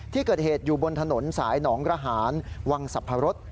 ที่เกิดเหตุอยู่บนถนนสายหนองระหารวังสรรพรส